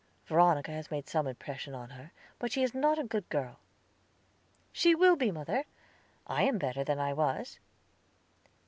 Veronica has made some impression on her; but she is not a good girl." "She will be, mother. I am better than I was."